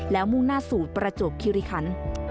แล้วมุ่งหน้าสู่ประจวบคิริคัน